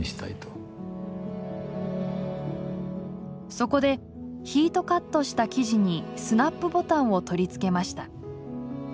そこでヒートカットした生地にスナップボタンを取り付けました。